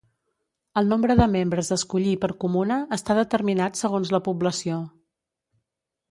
El nombre de membres a escollir per comuna està determinat segons la població.